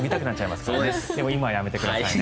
でも今はやめてくださいね。